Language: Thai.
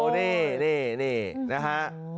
นี่นี่นี่นะฮะ